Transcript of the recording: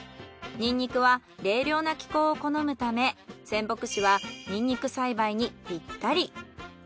ニンニクは冷涼な気候を好むため仙北市はニンニク栽培にピッタリ。